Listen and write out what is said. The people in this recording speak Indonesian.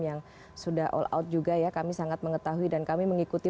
yang sudah all out juga ya kami sangat mengetahui dan kami mengikuti